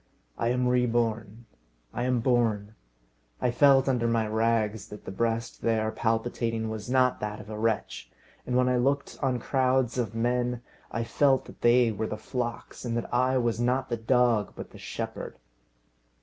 I am reborn. I am born. I felt under my rags that the breast there palpitating was not that of a wretch; and when I looked on crowds of men, I felt that they were the flocks, and that I was not the dog, but the shepherd!